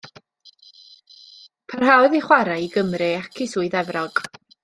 Parhaodd i chwarae i Gymru ac i Swydd Efrog.